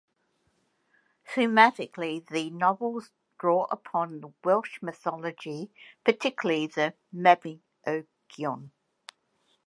Thematically the novels draw upon Welsh mythology, particularly the "Mabinogion".